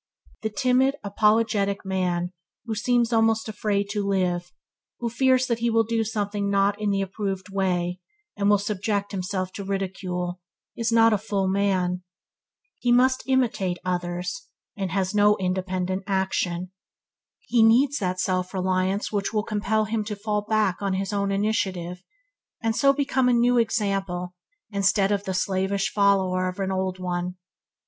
The timid, apologetic man who seems almost afraid to live, who fears that he will do something not in the approved way, and will subject himself to ridicule, is not a full man. He must needs imitate others, and have no independent action. He needs that self reliance which will compel him to fall back on his own initiative, and so become a new example instead of the slavish follower of an old one.